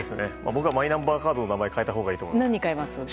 僕はマイナンバーカードの名前を変えたほうがいいと思います。